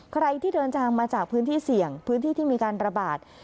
ใครที่เดินทางมาจากพื้นที่เสี่ยงพื้นที่ที่มีการระบาด